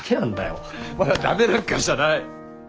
お前は駄目なんかじゃない。